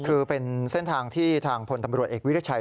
คือเป็นเส้นทางที่ทางพลตำรวจเอกวิรัชัย